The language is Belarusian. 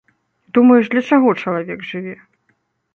Думаеш, для чаго чалавек жыве?